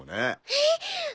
えっ。